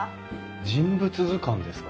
人物図鑑ですか？